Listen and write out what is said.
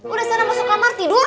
udah sekarang masuk kamar tidur